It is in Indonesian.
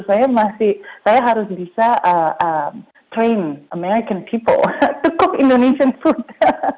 saya masih saya harus bisa train american people to coo indonesian food